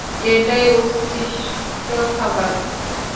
এটাই উচ্ছিষ্ট খাবার।